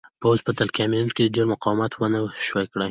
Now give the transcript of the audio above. پوځ په تګلیامنیتو کې ډېر مقاومت ونه شوای کړای.